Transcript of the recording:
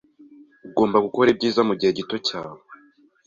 Ugomba gukora ibyiza mugihe gito cyawe.